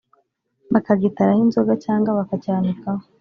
bakagitaraho inzoga cyangwa bakacyanikaho.